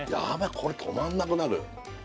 これ止まんなくなる